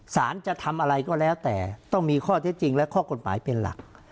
จะทำอะไรก็แล้วแต่ต้องมีข้อเท็จจริงและข้อกฎหมายเป็นหลัก